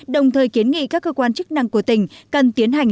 đồng thời kiến nghị các cơ quan chức năng của tỉnh cần tiến hành